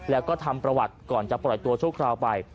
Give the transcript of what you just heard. แล้วก็ทำประวัติก่อนจะปล่อยตัวชั่วคราวไป